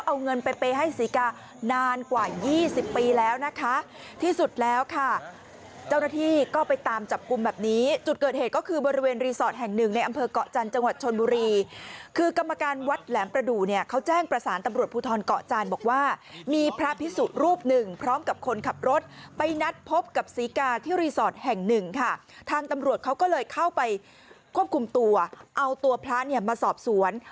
เอาเงินไปเปย์ให้ศรีกานานกว่า๒๐ปีแล้วนะคะที่สุดแล้วค่ะเจ้าหน้าที่ก็ไปตามจับกุมแบบนี้จุดเกิดเหตุก็คือบริเวณรีสอร์ทแห่งหนึ่งในอำเภอกะจันทร์จังหวัดชนบุรีคือกรรมการวัดแหลมประดูกเขาแจ้งประสานตำรวจภูทรเกาะจานบอกว่ามีพระพิสุรูปหนึ่งพร้อมกับคนขับรถไปนัดพบกับศ